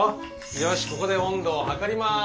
よしここで温度を測ります。